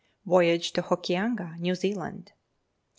Voyage to Hokianga, New Zealand.